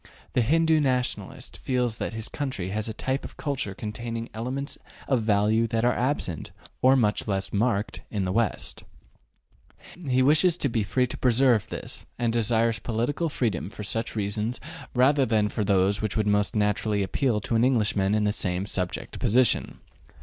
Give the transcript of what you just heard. The Hindoo Nationalist feels that his country has a type of culture containing elements of value that are absent, or much less marked, in the West; he wishes to be free to preserve this, and desires political freedom for such reasons rather than for those that would most naturally appeal to an Englishman in the same subject position.